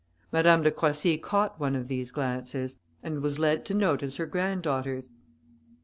Madame de Croissy caught one of these glances, and was led to notice her granddaughters.